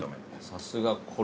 さすが。